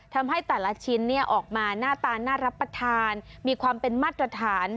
ทำให้แต่ละชิ้นออกมาหน้าตาน่ารับประทานมีความเป็นมาตรฐาน